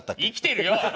生きてるよ！